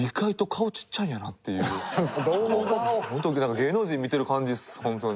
芸能人見てる感じっすホントに。